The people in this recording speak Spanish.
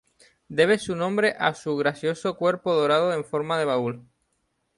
Debe su nombre a su gracioso cuerpo dorado en forma de baúl.